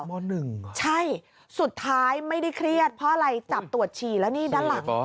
ใช่สุดท้ายไม่ได้เครียดเพราะอะไรจับตรวจฉี่แล้วนี่ด้านหลัง